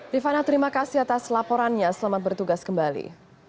rifana terima kasih atas laporannya selamat bertugas kembali